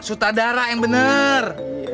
sutradara yang bener